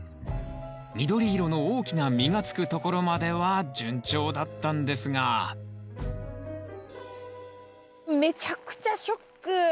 緑色の大きな実がつくところまでは順調だったんですがめちゃくちゃショック。